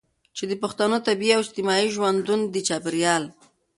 چې د پښتنو د طبیعي او اجتماعي ژوندون د چاپیریال